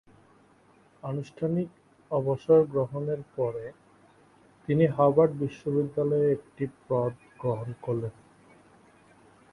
আনুষ্ঠানিক অবসর গ্রহণের পরে তিনি হার্ভার্ড বিশ্ববিদ্যালয়ে একটি পদ গ্রহণ করেন।